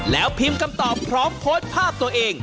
แล้วพิมพ์คำตอบพร้อมโพสต์ภาพตัวเอง